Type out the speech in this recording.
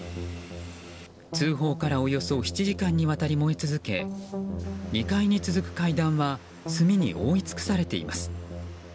通報からおよそ７時間にわたり燃え続け２階に続く階段は炭に覆い尽くされています。